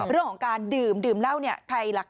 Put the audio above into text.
เรื่องของการดื่มดื่มเหล้า